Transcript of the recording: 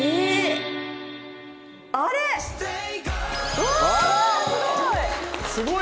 うわあすごい！